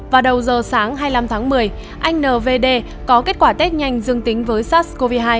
vào đầu giờ sáng hai mươi năm tháng một mươi anh n v d có kết quả test nhanh dương tính với sars cov hai